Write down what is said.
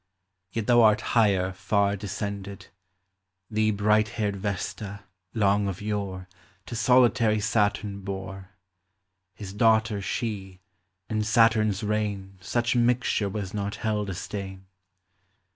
Yet thou art higher far descended ; Thee bright haired Yesta, long of yore, To solitary Saturn bore, — His daughter she (in Saturn's reign Such mixture was not held a stain).